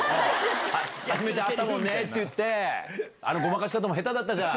初めて会ったもんねって言って、ごまかし方も下手だったじゃん。